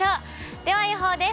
では予報です。